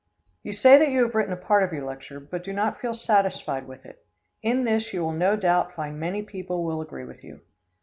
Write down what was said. You say that you have written a part of your lecture, but do not feel satisfied with it. In this you will no doubt find many people will agree with you.